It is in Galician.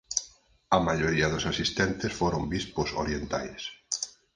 A maioría dos asistentes foron bispos orientais.